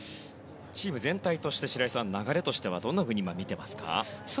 チーム全体として、白井さん流れはどんなふうに見ていますか？